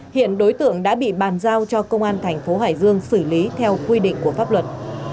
hiện đối tượng đã bị bàn giao cho công an thành phố hải dương xử lý theo quy định của pháp luật